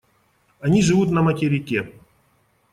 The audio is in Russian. Они живут на материке.